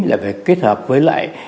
là phải kết hợp với lại